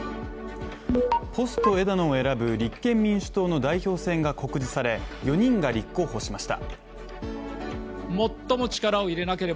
ポスト枝野を選ぶ立憲民主党の代表選が告示され、４人が立候補しました。